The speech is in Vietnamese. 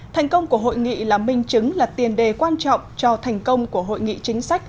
thành công của hội nghị là minh chứng là tiền đề quan trọng cho thành công của hội nghị chính sách